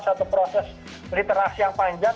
satu proses literasi yang panjang